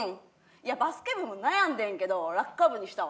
いやバスケ部も悩んでんけど落下部にしたわ。